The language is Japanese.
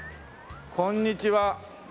こんにちは。